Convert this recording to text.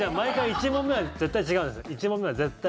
１問目は絶対。